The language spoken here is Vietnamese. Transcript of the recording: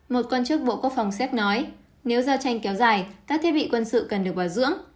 một quan chức bộ quốc phòng xét nói nếu giao tranh kéo dài các thiết bị quân sự cần được bảo dưỡng